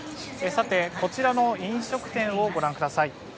こちらの飲食店をご覧ください。